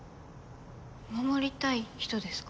守りたい人ですか。